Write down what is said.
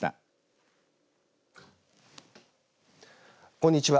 こんにちは。